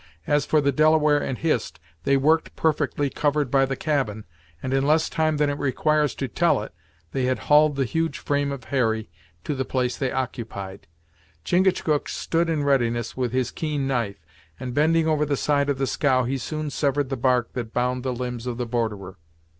As for the Delaware and Hist, they worked perfectly covered by the cabin, and in less time than it requires to tell it, they had hauled the huge frame of Harry to the place they occupied. Chingachgook stood in readiness with his keen knife, and bending over the side of the scow he soon severed the bark that bound the limbs of the borderer.